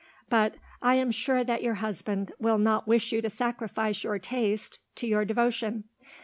but I am sure that your husband will not wish you to sacrifice your taste to your devotion.